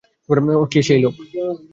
কে সেই লোক?